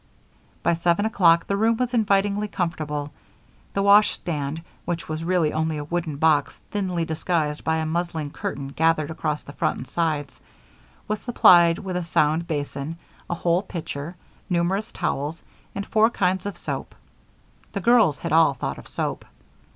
By seven o'clock the room was invitingly comfortable. The washstand, which was really only a wooden box thinly disguised by a muslin curtain gathered across the front and sides, was supplied with a sound basin, a whole pitcher, numerous towels, and four kinds of soap the girls had all thought of soap.